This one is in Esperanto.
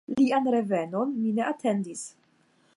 Lian revenon mi ne atendis.